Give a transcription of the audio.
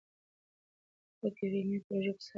هغوی د یوې علمي پروژې په سر کار کوي.